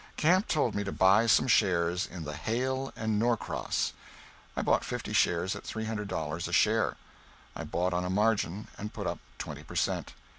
Camp told me to buy some shares in the Hale and Norcross. I bought fifty shares at three hundred dollars a share. I bought on a margin, and put up twenty per cent.